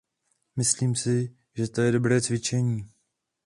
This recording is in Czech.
Myslím si, že to je dobré cvičení.